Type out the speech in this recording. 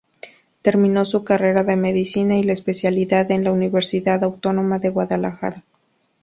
Terminó su carrera de medicina y la especialidad en la Universidad Autónoma de Guadalajara.